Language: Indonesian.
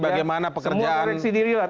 semua koreksi diri lah